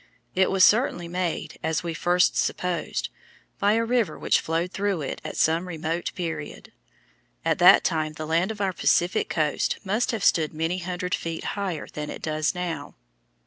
It was certainly made, as we at first supposed, by a river which flowed through it at some remote period. At that time the land of our Pacific coast must have stood many hundred feet higher than it does now.